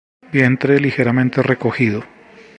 Vientre ligeramente recogido.